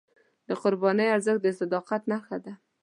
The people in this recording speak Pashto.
د قربانۍ ارزښت د صداقت نښه ده.